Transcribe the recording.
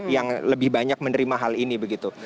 yang lebih banyak menerima hal ini begitu